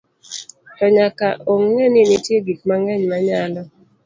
to nyaka ong'e ni nitie gik mang'eny manyalo